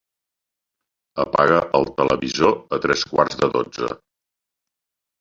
Apaga el televisor a tres quarts de dotze.